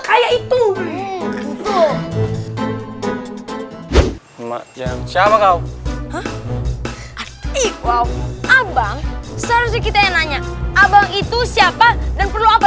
kaya itu gitu maksimal siapa kau arti wow abang sergi kita yang nanya abang itu siapa dan perlu apa